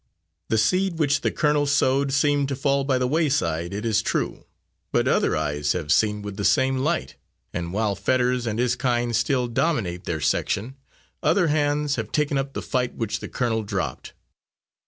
The seed which the colonel sowed seemed to fall by the wayside, it is true; but other eyes have seen with the same light, and while Fetters and his kind still dominate their section, other hands have taken up the fight which the colonel dropped.